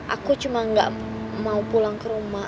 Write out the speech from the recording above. aku cuma nggak mau pulang ke rumah